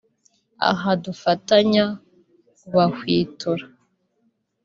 aha dufatanya kubahwitura”